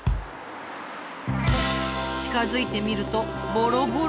近づいてみるとボロボロ。